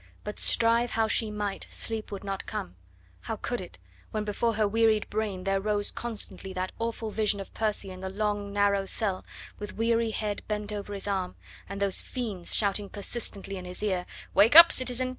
But, strive how she might, sleep would not come. How could it, when before her wearied brain there rose constantly that awful vision of Percy in the long, narrow cell, with weary head bent over his arm, and those friends shouting persistently in his ear: "Wake up, citizen!